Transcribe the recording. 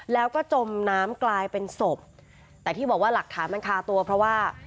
แล้วก็จมน้ำกลายเป็นศพแต่ที่บอกว่าหลักฐานมันคาตัวเพราะว่า